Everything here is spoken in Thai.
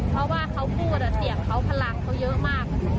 เพราะว่าเขาพูดเสียงเขาพลังเขาเยอะมาก